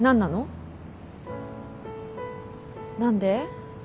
何で？